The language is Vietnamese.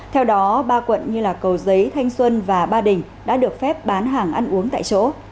theo đó ba quận như cầu giấy thanh xuân và ba đình đã được phép bán hàng ăn uống tại chỗ